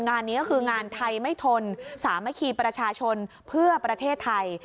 งานนี้ก็คืองานไทยไม่ทนสามัคคีประชาชนเพื่อประเทศไทย